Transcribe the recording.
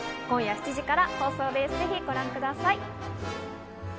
今夜７時から放送です、ぜひご覧ください。